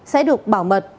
sẽ được bảo mật